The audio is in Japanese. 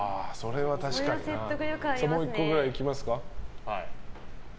もう１個ぐらい、いきますか。